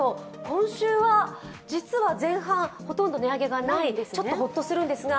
今週は実は前半、ほとんど値上げがないんですね。